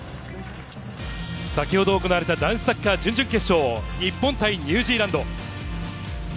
先ほど行われた男子サッカー準々決勝、日本対ニュージーランド。